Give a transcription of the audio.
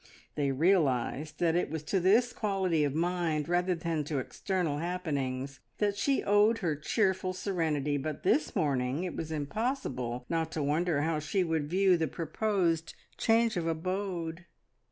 They realised that it was to this quality of mind, rather than to external happenings, that she owed her cheerful serenity, but this morning it was impossible not to wonder how she would view the proposed change of abode.